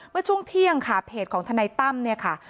เมื่อช่วงเที่ยงเพจของทนายต้ำ